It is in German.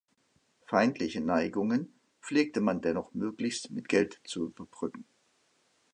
Feindliche Neigungen pflegte man dennoch möglichst mit Geld zu überbrücken.